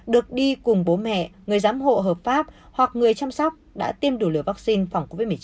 được đi cùng bố mẹ người giám hộ hợp pháp hoặc người chăm sóc đã tiêm đủ liều vaccine phòng covid một mươi chín